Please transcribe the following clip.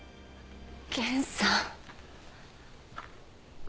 源さん。